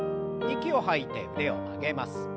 息を吐いて腕を曲げます。